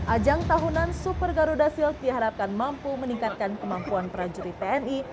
ajang tahunan super garuda shield diharapkan mampu meningkatkan kemampuan prajurit tni